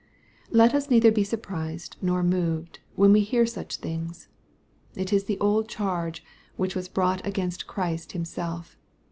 Let us neither be surprised nor moved, when we hear such things. It is the old charge which was brought against MATTHEW, CHAP. XXI. 278 f Christ Himself.